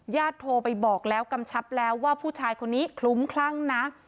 โทรไปบอกแล้วกำชับแล้วว่าผู้ชายคนนี้คลุ้มคลั่งนะ